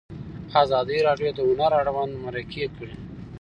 ازادي راډیو د هنر اړوند مرکې کړي.